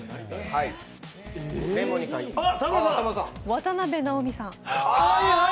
渡辺直美さん？